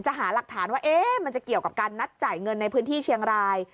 หาหลักฐานว่ามันจะเกี่ยวกับการนัดจ่ายเงินในพื้นที่เชียงราย